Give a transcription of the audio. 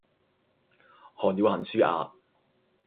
看了很舒壓